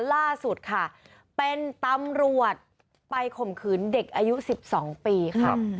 ล่าสุดค่ะเป็นตำรวจไปข่มขืนเด็กอายุ๑๒ปีค่ะ